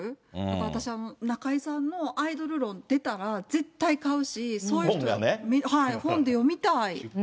私は中居さんのアイドル論出たら、絶対買うし、そういう人、本で読みたい。